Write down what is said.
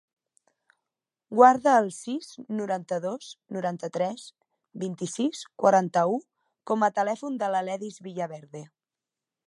Guarda el sis, noranta-dos, noranta-tres, vint-i-sis, quaranta-u com a telèfon de l'Aledis Villaverde.